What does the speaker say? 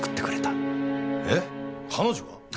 えっ彼女が！？